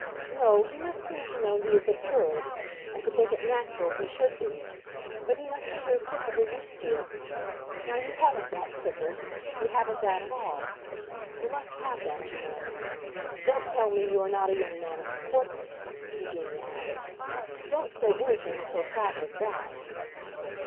"No, he must seem to know he is observed, and to think it natural he should be; but he must appear perfectly used to it. Now you haven't that, Clifford; you haven't that at all. You must have that, you know. Don't tell me you are not a young man of importance," Eugenia added. "Don't say anything so flat as that."